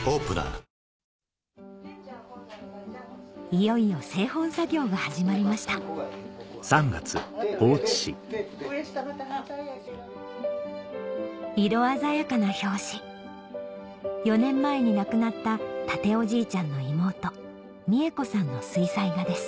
いよいよ製本作業が始まりました色鮮やかな表紙４年前に亡くなった健夫じいちゃんの妹三枝子さんの水彩画です